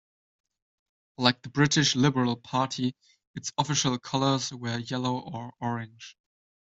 Like the British Liberal Party, its official colours were yellow or orange.